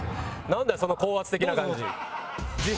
なんだよその高圧的な感じ。